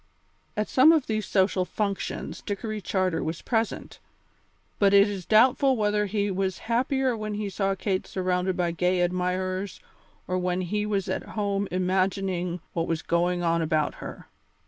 At some of these social functions Dickory Charter was present, but it is doubtful whether he was happier when he saw Kate surrounded by gay admirers or when he was at home imagining what was going on about her.